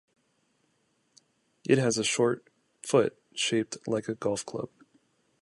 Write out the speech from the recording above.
It has a short "foot" shaped like a golf club.